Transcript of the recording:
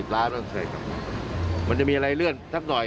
๑๕๐๑๗๐ล้านมันจะมีอะไรเลื่อนทักหน่อย